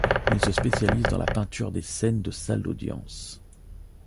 Il se spécialise dans la peinture des scènes de salle d'audience.